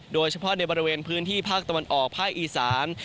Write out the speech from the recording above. โดยเฉพาะในบริเวณพื้นที่ภาคตะวันออกภาคอีสาน